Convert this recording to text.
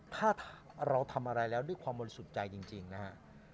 ถ้าเราทำอะไรแล้วด้วยความบริสุทธิ์ใจจริงนะฮะ